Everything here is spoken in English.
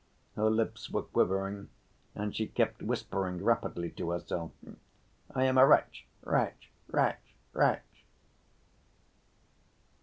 Her lips were quivering and she kept whispering rapidly to herself: "I am a wretch, wretch, wretch, wretch!"